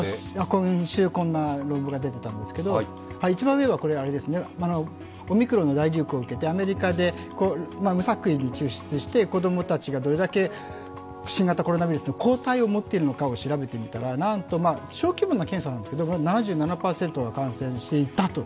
今週、こんな論文が出ていたんですけれども、一番上はオミクロンの大流行を受けてアメリカで無作為に抽出して子供たちがどれだけ新型コロナウイルスの抗体を持っているのかを調べてみたらなんと、小規模な検査なんですけど７７％が感染していたと。